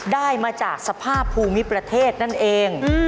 ได้มาจากสภาพภูมิประเทศนั่นเอง